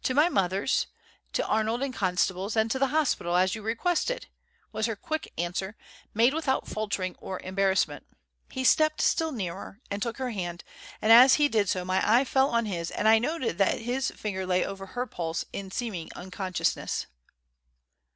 "To my mother's, to Arnold & Constable's, and to the hospital, as you requested," was her quick answer, made without faltering or embarrassment. He stepped still nearer and took her hand, and as he did so my eye fell on his and I noted that his finger lay over her pulse in seeming unconsciousness.